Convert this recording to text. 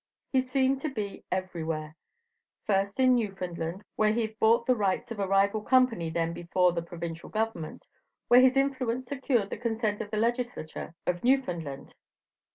He seemed to be everywhere. First in Newfoundland, where he bought the rights of a rival company then before the Provincial Government, where his influence secured the consent of the legislature of Newfoundland.